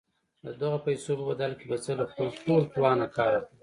د دغو پيسو په بدل کې به زه له خپل ټول توانه کار اخلم.